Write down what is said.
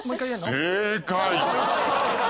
正解！